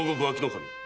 守。